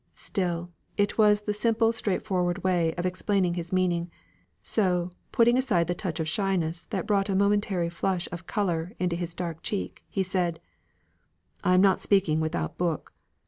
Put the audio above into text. Still, it was the simple straightforward way of explaining his meaning; so, putting aside the touch of shyness that brought a momentary flush of colour into his dark cheek, he said: "I am not speaking without book.